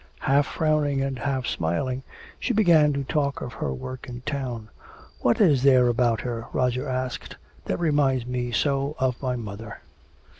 Half frowning and half smiling she began to talk of her work in town. "What is there about her," Roger asked, "that reminds me so of my mother?"